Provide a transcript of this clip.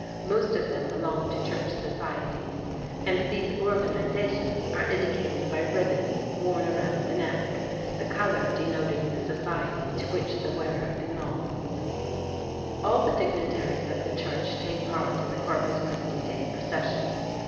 Most of them belong to church societies, and these organizations are indicated by ribbons worn around the neck, the color denoting the society to which the wearer belongs. [Illustration: THE FAITHFUL, HARDWORKING LLAMAS] All the dignitaries of the church take part in the Corpus Christi day procession.